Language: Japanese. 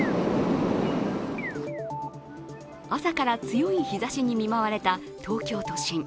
朝から強い日ざしに見舞われた東京都心。